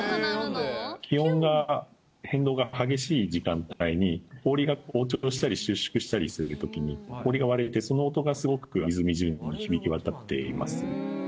気温の変動が激しい時間帯に、氷が膨張したり収縮したりするときに氷が割れてその音がすごく湖中に響き渡っています。